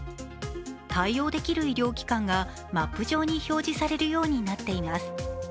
対応できる医療機関がマップ上に表示されるようになっています。